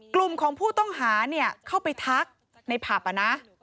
กลุ่มของผู้ต้องหาเนี่ยเข้าไปทักในผับนะ